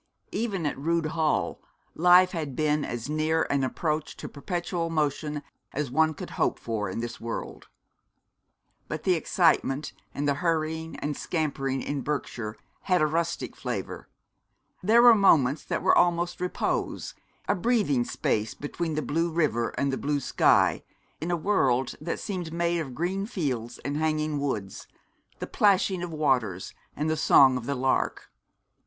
Even at Rood Hall life had been as near an approach to perpetual motion as one could hope for in this world; but the excitement and the hurrying and scampering in Berkshire had a rustic flavour; there were moments that were almost repose, a breathing space between the blue river and the blue sky, in a world that seemed made of green fields and hanging woods, the plashing of waters, and the song of the lark.